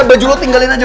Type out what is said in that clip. baju lo tinggalin aja